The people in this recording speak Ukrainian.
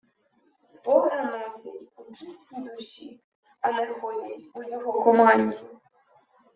Бога носять у чистій душі, а не ходять «у його команді»